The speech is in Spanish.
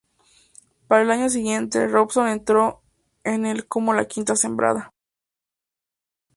Para el año siguiente, Robson entró en el como la quinta sembrada.